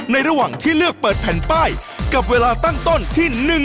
ระหว่างที่เลือกเปิดแผ่นป้ายกับเวลาตั้งต้นที่